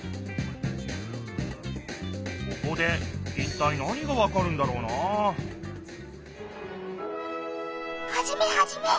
ここでいったい何がわかるんだろうなハジメハジメ！